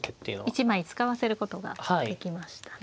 一枚使わせることができましたね。